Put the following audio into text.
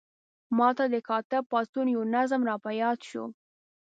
ما ته د کاتب پاڅون یو نظم را په یاد شو.